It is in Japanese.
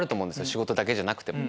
仕事だけじゃなくても。